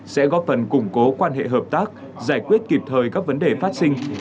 sẽ góp phần củng cố quan hệ hợp tác giải quyết kịp thời các vấn đề phát sinh